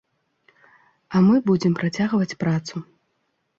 А мы будзем працягваць працу.